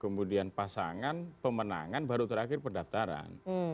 kemudian pasangan pemenangan baru terakhir pendaftaran